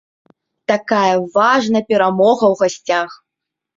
Такая важная перамога ў гасцях.